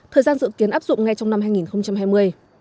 thời gian dự kiến áp dụng ngay trong năm hai nghìn hai mươi